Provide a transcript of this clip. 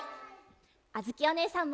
あづきおねえさんも！